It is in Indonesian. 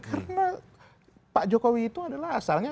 karena pak jokowi itu adalah asalnya